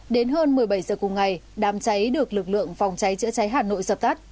đến hơn một mươi bảy h cùng ngày đám cháy được lực lượng phòng cháy chữa cháy hà nội dập tắt